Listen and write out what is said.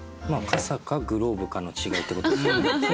傘かグローブかの違いってことですよね。